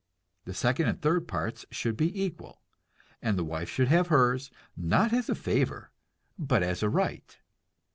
The second and third parts should be equal, and the wife should have hers, not as a favor, but as a right.